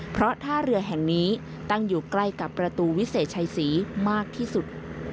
เพราะท่าเรือแห่งนี้ตั้งอยู่ใกล้กับประตูวิเศษชัยศรีมากที่สุด